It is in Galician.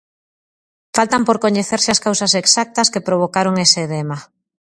Faltan por coñecerse as causas exactas que provocaron ese edema.